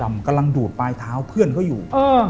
กำลังดูดปลายเท้าเพื่อนเขาอยู่